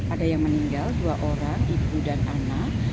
ada yang meninggal dua orang ibu dan anak